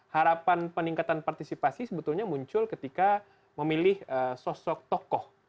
harapan peningkatan partisipasi sebetulnya muncul ketika memilih sosok tokoh